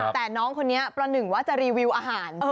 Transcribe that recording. แต่น้องคนนี้ประหนึ่งว่าจะรีวิวอาหาร